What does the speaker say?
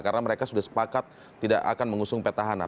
karena mereka sudah sepakat tidak akan mengusung petahana